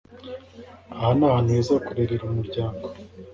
Aha ni ahantu heza ho kurerera umuryango.